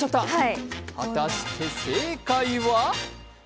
果たして正解は？